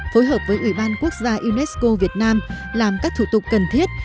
phối hợp với ủy ban quốc gia unesco việt nam làm các thủ tục cần thiết